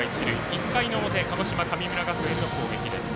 １回の表鹿児島の神村学園の攻撃です。